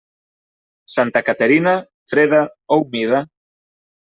Santa Caterina, freda o humida.